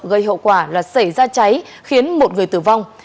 gây hậu quả là xảy ra cháy khiến một người tử vong